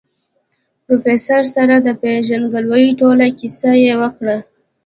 د پروفيسر سره د پېژندګلوي ټوله کيسه يې وکړه.